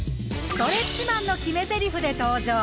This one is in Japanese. ストレッチマンの決めゼリフで登場。